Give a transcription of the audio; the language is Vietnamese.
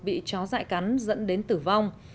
bị chó dại cắn dẫn đến tử vong